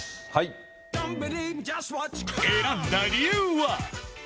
選んだ理由は？